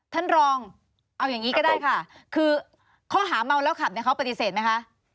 ท่านรองเอาอย่างนี้ก็ได้ค่ะคือข้อหาเมาแล้วขับเนี่ยเขาปฏิเสธไหมคะ